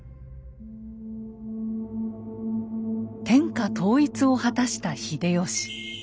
天下統一を果たした秀吉。